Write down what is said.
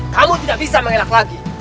kamu tidak bisa mengelak lagi